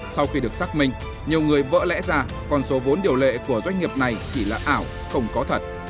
sau khi được xác minh nhiều người vỡ lẽ ra con số vốn điều lệ của doanh nghiệp này chỉ là ảo không có thật